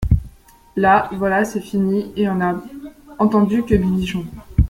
Là, voilà c'est fini ; et on n'a entendu que Bibichon !